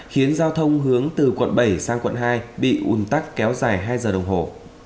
khiến giao thông hướng từ quận bảy sang quận hai bị ùn tắc kéo dài hai giờ đồng hồ